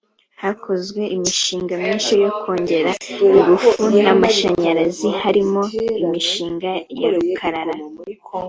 hakozwe imishinga myinshi yo kongera ingufu z’amashanyarazi harimo imishinga ya Rukarara